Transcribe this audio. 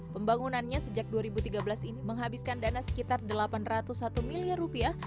pembangunannya sejak dua ribu tiga belas ini menghabiskan dana sekitar delapan ratus satu miliar rupiah